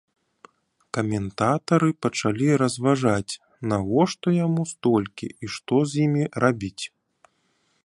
Каментатары пачалі разважаць, навошта яму столькі і што з імі рабіць.